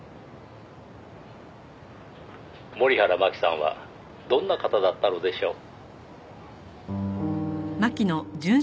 「森原真希さんはどんな方だったのでしょう？」